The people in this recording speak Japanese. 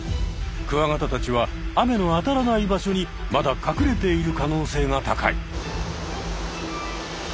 クワガタたちは雨の当たらない場所にまだ隠れている可能性が高い。